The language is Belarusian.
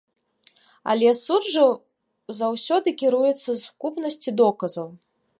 Але суд жа заўсёды кіруецца сукупнасцю доказаў.